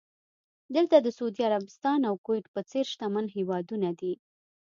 دلته د سعودي عربستان او کوېټ په څېر شتمن هېوادونه دي.